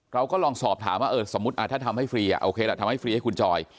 เราก็ลองสอบถามว่าเออสมมุติถ้าทำให้ฟรีโอเคล่ะทำให้ฟรีให้คุณจอย